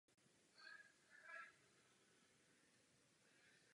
Archeologické vykopávky dokazují stopy osídlení z mladší doby kamenné.